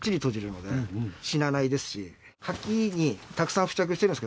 カキにたくさん付着してるんですけども。